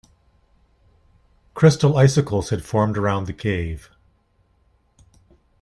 Crystal icicles had formed around the cave.